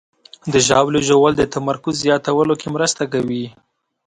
د ژاولې ژوول د تمرکز زیاتولو کې مرسته کوي.